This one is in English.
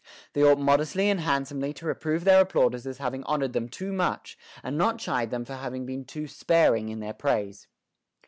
They ought modestly and handsomely to reprove their applauders as having honored them too much, and not chide them for having been too sparing in their praise.